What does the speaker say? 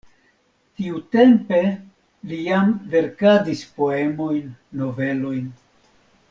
Tiutempe li jam verkadis poemojn, novelojn.